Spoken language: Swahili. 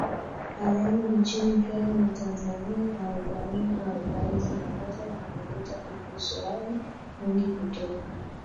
haramu nchini Kenya na Tanzania arobaini arobaini na moja na huleta ukosoaji mwingi kutoka